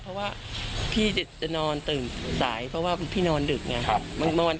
เพราะว่าพี่จะนอนตื่นสายเพราะว่าพี่นอนดึกไง